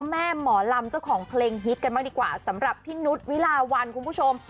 หมอลำเจ้าของเพลงฮิตกันบ้างดีกว่าสำหรับพี่นุษย์วิลาวันคุณผู้ชม